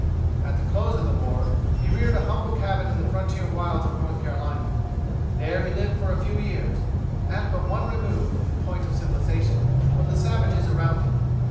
At the close of the war he reared a humble cabin in the frontier wilds of North Carolina. There he lived for a few years, at but one remove, in point of civilization, from the savages around him.